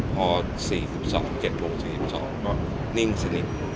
พอ๗โมง๔๒นิ่งสนิท